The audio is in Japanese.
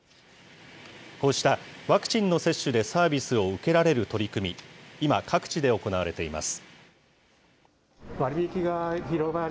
こうしたワクチンの接種でサービスを受けられる取り組み、今、各地で行われています。